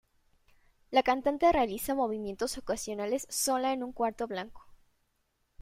La cantante realiza movimientos ocasionales sola en un cuarto blanco.